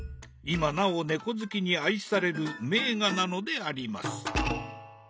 今なお猫好きに愛される名画なのであります。